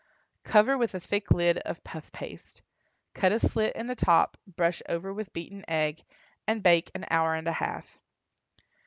Cover with a thick lid of puff paste, cut a slit in the top, brush over with beaten egg, and bake an hour and a half.